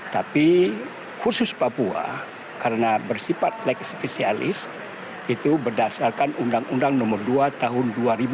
tapi khusus papua karena bersifat legis fisialis itu berdasarkan undang undang nomor dua tahun dua ribu dua puluh satu